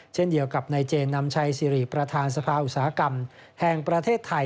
เช่นเดียวกับนายเจนนำชัยสิริประธานสภาอุตสาหกรรมแห่งประเทศไทย